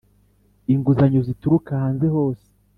inguzanyo zituruka hanze hose,